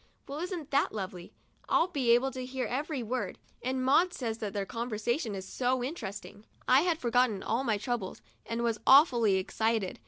"Well, isn't that lovely? I'll be able to hear every word, and Maud says that their conversation is so interesting." I had forgotten all my troubles, and was awfully excited.